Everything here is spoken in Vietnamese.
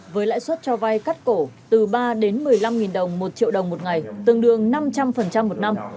với lãi suất cho vay cắt cổ từ ba đến một mươi năm đồng một triệu đồng một ngày tương đương năm trăm linh một năm